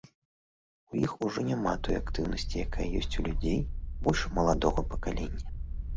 У іх ужо няма той актыўнасці, якая ёсць у людзей больш маладога пакалення.